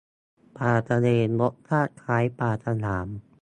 ปลากระเบน รสชาติคล้ายปลาฉลาม